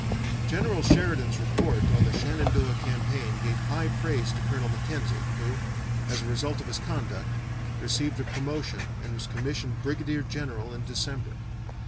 General Sheridan's report on the Shenandoah campaign gave high praise to Colonel Mackenzie, who, as a result of his conduct, received a promotion and was commissioned brigadier general in December.